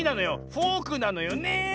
フォークなのよねえ。